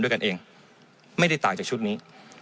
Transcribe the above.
ด้วยกันเองไม่ได้ต่างจากชุดนี้